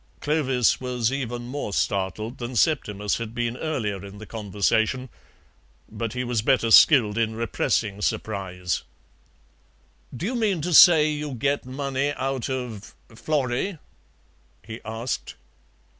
Clovis was even more startled than Septimus had been earlier in the conversation, but he was better skilled in repressing surprise. "Do you mean to say you get money out of Florrie?" he asked.